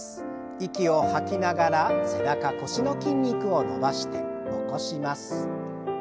息を吐きながら背中腰の筋肉を伸ばして起こします。